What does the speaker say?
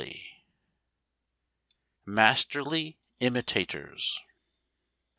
"] MASTERLY IMITATORS.